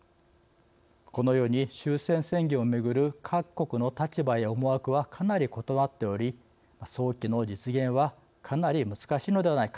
このように終戦宣言を巡る各国の立場や思惑はかなり異なっており早期の実現はかなり難しいのではないか。